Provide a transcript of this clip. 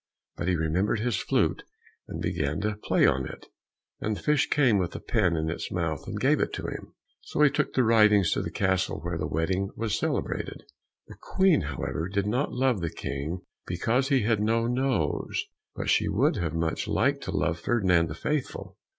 But he remembered his flute, and began to play on it, and the fish came with the pen in its mouth, and gave it to him. So he took the writings to the castle, where the wedding was celebrated. The Queen, however, did not love the King because he had no nose, but she would have much liked to love Ferdinand the Faithful.